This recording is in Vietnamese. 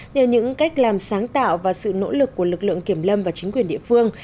nhờ những cách làm sáng tạo và sự nỗ lực của lực lượng kiểm lâm và chính quyền địa phương